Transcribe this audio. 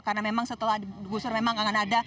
karena memang setelah digusur memang akan ada